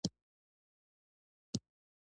په افغانستان کي د افغان میرمنو رول تاریخي دی.